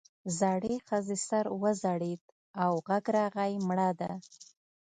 زړې ښځې سر وځړېد او غږ راغی مړه ده.